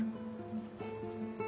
うん。